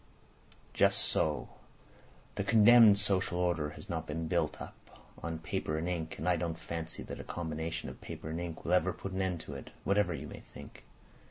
"Just so! The condemned social order has not been built up on paper and ink, and I don't fancy that a combination of paper and ink will ever put an end to it, whatever you may think.